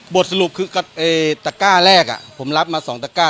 สรุปคือตะก้าแรกผมรับมา๒ตะก้า